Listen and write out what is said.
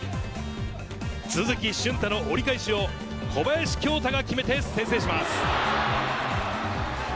都築駿太の折り返しを小林恭太が決めて先制します。